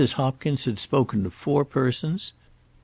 Hopkins had spoken of four persons.